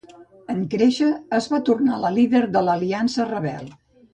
En créixer, es va tornar la líder de l'Aliança Rebel.